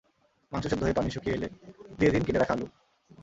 মাংস সেদ্ধ হয়ে পানি শুকিয়ে এলে দিয়ে দিন কেটে রাখা আলু।